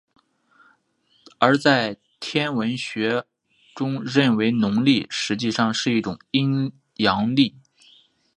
而在天文学中认为农历实际上是一种阴阳历。